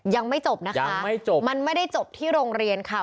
ยังไม่จบนะคะมันไม่ได้จบที่โรงเรียนค่ะ